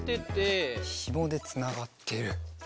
ひもでつながってる。